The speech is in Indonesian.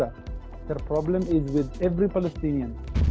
masalahnya dengan semua palestina